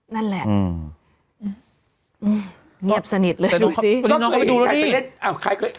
นั่นแหละเนียบสนิทเลยดูสิน้องเขาไปดูแล้วนี่